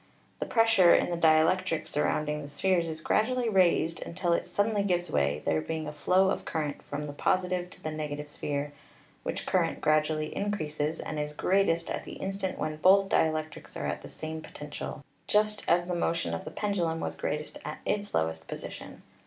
The pressure in the dielectric surrounding the spheres is gradually raised until it suddenly gives way, there being a flow of current from the positive to the negative sphere, which current gradually increases and is greatest at the instant when both dielectrics are at the same potential, just as the 310 WIRELESS TELEGRAPHY 311 motion of the pendulum was greatest at its lowest position.